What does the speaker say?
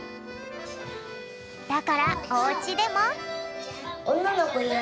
だからおうちでも。